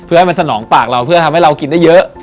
เพื่อให้มันสนองปากเราเพื่อทำให้เรากินได้เยอะ